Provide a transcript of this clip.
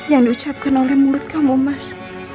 yang diucapkan oleh mulut kamu mas